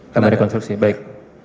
gambar rekonstruksi baik